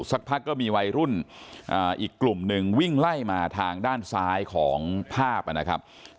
สักพักก็มีวัยรุ่นอีกกลุ่มหนึ่งวิ่งไล่มาทางด้านซ้ายของภาพนะครับ